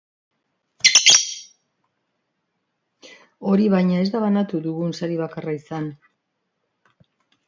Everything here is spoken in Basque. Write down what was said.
Hori, baina, ez da banatu dugun sari bakarra izan.